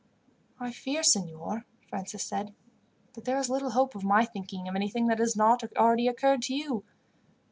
"I fear, signor," Francis said, "that there is little hope of my thinking of anything that has not already occurred to you.